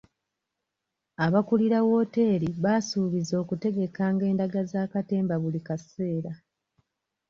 Abakulira wooteeri baasubiza okutegekanga endaga za katemba buli kaseera.